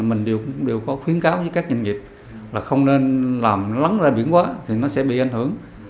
mình cũng đều có khuyến cáo với các doanh nghiệp là không nên làm lắng ra biển quá thì nó sẽ bị ảnh hưởng